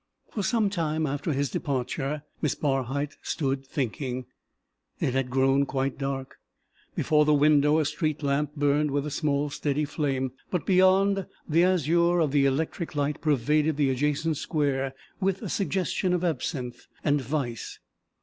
For some time after his departure, Miss Barhyte stood thinking. It had grown quite dark. Before the window a street lamp burned with a small, steady flame, but beyond, the azure of the electric light pervaded the adjacent square with a suggestion of absinthe and vice.